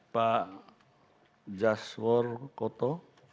pak jaswar koto